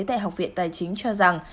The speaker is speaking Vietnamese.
tại học viện tài chính cho rằng